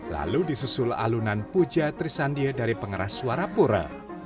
lalu disusul alunan puja trisandie dari pengeras suara pura